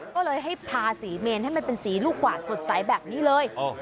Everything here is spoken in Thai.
ก็เลยให้ทาสีเมนให้มันเป็นสีลูกกวาดสดใสแบบนี้เลย